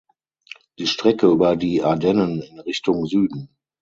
Die Strecke über die Ardennen in Richtung Süden.